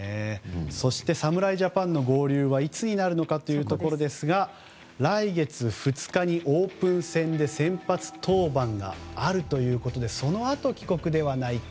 そして侍ジャパンの合流はいつになるのかというところですが来月２日にオープン戦で先発登板があるということでそのあと帰国ではないか。